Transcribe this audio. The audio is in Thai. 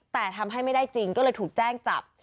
แต่ทำให้ไม่ได้จริงก็เลยถูกแจ้งจับ